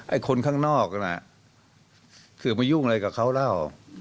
คนข้างนอกน่ะคือมายุ่งอะไรกับเขาแล้ว